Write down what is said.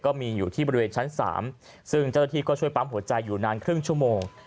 อยู่ที่บริเวณชั้น๓ซึ่งเจ้าหน้าที่ก็ช่วยปั๊มหัวใจอยู่นานครึ่งชั่วโมง